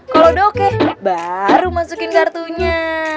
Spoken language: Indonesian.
kalau udah oke baru masukin kartunya